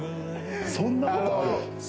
そんなことある？